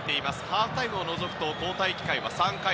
ハーフタイムを除くと交代機会は３回。